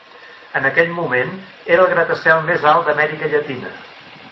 En aquell moment, era el gratacel més alt d'Amèrica Llatina.